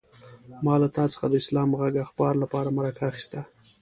ما له تا څخه د اسلام غږ اخبار لپاره مرکه اخيسته.